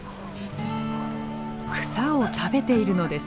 草を食べているのです。